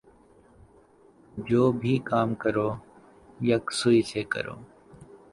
جو بھی کام کرو یکسوئی سے کرو۔